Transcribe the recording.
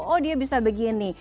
oh dia bisa begini